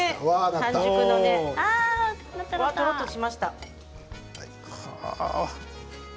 とろりとしました。